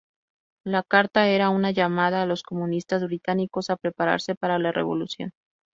La carta era una llamada a los comunistas británicos a prepararse para la revolución.